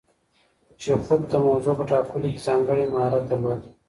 چیخوف د موضوع په ټاکلو کې ځانګړی مهارت درلود.